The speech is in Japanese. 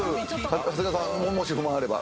長谷川さんもし不満あれば。